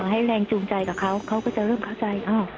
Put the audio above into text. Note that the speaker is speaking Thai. ให้แรงจูงใจกับเขาเขาก็จะเริ่มเข้าใจ